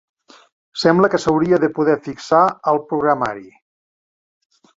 Sembla que s'hauria de poder fixar al programari.